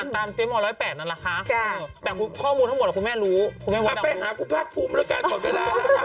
ถ้าไปหาคุณภาคภูมิด้วยกันก่อนกระดาษนะครับ